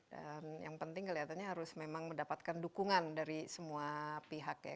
dan yang penting kelihatannya harus mendapatkan dukungan dari semua pihak ya